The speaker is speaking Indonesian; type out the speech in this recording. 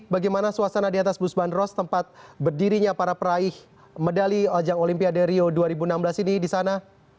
bagaimana suasana di atas bus bandros tempat berdirinya para peraih medali ajang olimpiade rio dua ribu enam belas ini di sana